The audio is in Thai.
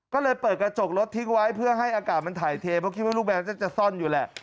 ก็เลยเปิดกระจกรถทิ้งไว้เพื่อให้อากาศมันถ่ายเทเพราะคิดว่าลูกแมวก็จะซ่อนอยู่แหละ